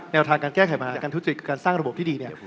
ทางการแก้ไขมาการทุจริตการสร้างระบบที่ดีเนี่ย